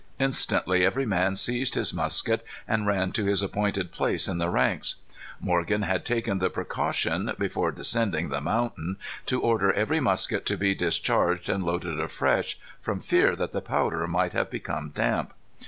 Instantly every man seized his musket and ran to his appointed place in the ranks. Morgan had taken the precaution, before descending the mountain, to order every musket to be discharged and loaded afresh, from fear that the powder might have become damp.